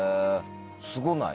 すごない？